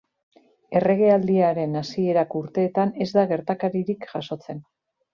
Erregealdiaren hasierako urteetan ez da gertakaririk jasotzen.